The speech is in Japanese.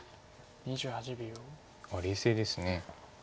冷静です。